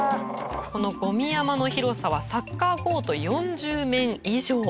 このゴミ山の広さはサッカーコート４０面以上。